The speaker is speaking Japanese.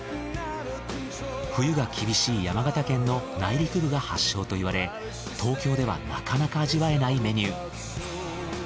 冬が厳しい山形県の内陸部が発祥と言われ東京ではなかなか味わえないメニュー。